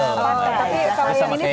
tapi kalau yang ini versi lainnya